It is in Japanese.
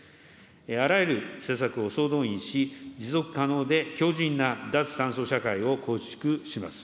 あらゆる施策を総動員し、持続可能で強じんな脱炭素社会を構築します。